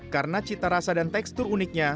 karena cita rasa dan tekstur uniknya